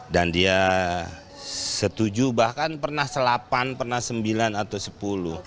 dan dia setuju bahkan pernah selapan pernah sembilan atau sepuluh